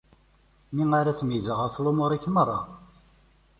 Mi ara ttmeyyizeɣ ɣef lumuṛ-ik merra.